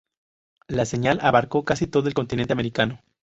La señal abarcó casi todo el continente americano.